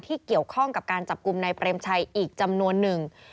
เกี่ยวข้องกับการจับกลุ่มนายเปรมชัยอีกจำนวนหนึ่ง